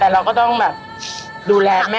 แต่เราก็ต้องแบบดูแลแม่